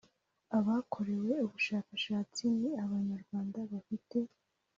Abakoreweho ubushakashatsi ni Abanyarwanda bafite